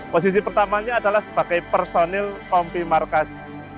posisi pertamanya adalah sebagai personil kompi markas